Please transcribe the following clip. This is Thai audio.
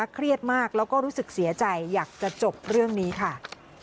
เครียดมากแล้วก็รู้สึกเสียใจอยากจะจบเรื่องนี้ค่ะ